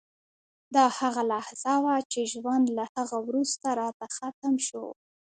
دا هغه لحظه وه چې ژوند له هغه وروسته راته ختم شو